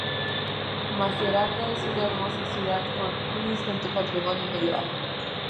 Macerata es una hermosa ciudad con un interesante patrimonio medieval.